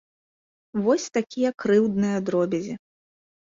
Вось такія крыўдныя дробязі.